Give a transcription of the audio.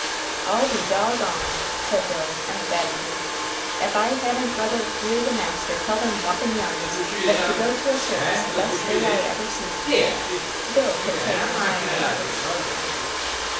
"I'll be dog on'd," said Bill, emphatically, "ef I hadn't 'ruther hear the master tell them whoppin' yarns than to go to a circus the best day I ever seed!" Bill could pay no higher compliment.